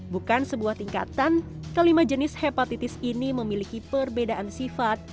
bukan sebuah tingkatan kelima jenis hepatitis ini memiliki perbedaan sifat